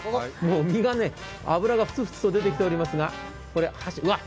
身が、脂がふつふつと出てきていますが。